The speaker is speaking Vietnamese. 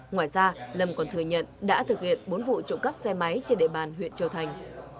ngoài ra lâm còn thừa nhận đã thực hiện bốn vụ trộm cắp xe máy trên địa bàn huyện châu thành